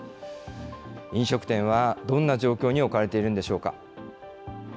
飲食店はどんな状況に置かれているんでしょうか。